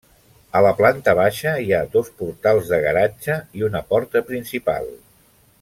A la planta baixa, hi ha dos portals de garatge i una porta principal.